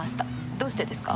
どうしてですか？